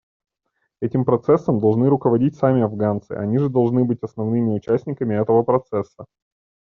Этим процессом должны руководить сами афганцы, они же должны быть основными участниками этого процесса.